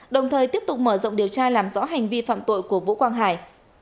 đồng thời tiếp tục mở rộng điều tra làm rõ hành vi phạm tội của vũ quang hải